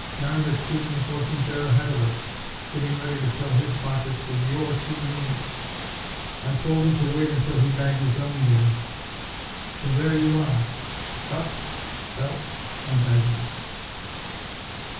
Darned if Siddons wasn't there ahead of us, getting ready to fill his pockets with your souvenirs. I told him to wait until he bagged his own game. So there you are cups, belts and badges!"